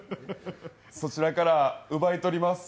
そちらから奪い取ります